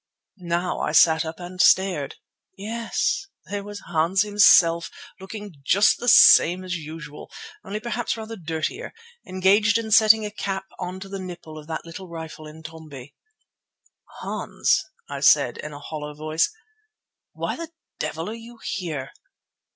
Now I sat up and stared. Yes, there was Hans himself looking just the same as usual, only perhaps rather dirtier, engaged in setting a cap on to the nipple of the little rifle Intombi. "Hans," I said in a hollow voice, "why the devil are you here?"